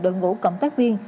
đội ngũ công tác viên